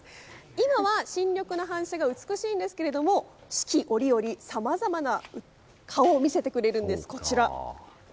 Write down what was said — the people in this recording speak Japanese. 今は新緑の反射が美しいんですが四季折々さまざまな顔を見せてくれるんです。